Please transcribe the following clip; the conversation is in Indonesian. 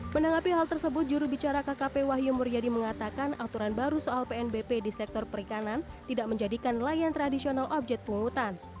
menanggapi hal tersebut jurubicara kkp wahyu muryadi mengatakan aturan baru soal pnbp di sektor perikanan tidak menjadikan layan tradisional objek pungutan